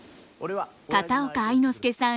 片岡愛之助さん